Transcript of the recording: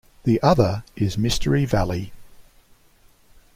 The other is Mystery Valley.